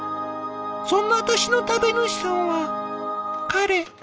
そんな私の食べ主さんは彼。